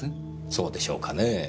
そうでしょうかねぇ。